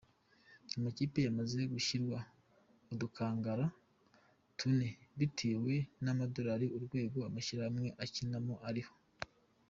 Amakipe yamaze gushyirwa mu dukangara tune bitewe n’urwego amashampiyona akinamo ariho.